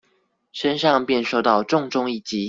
身上便受到重重一擊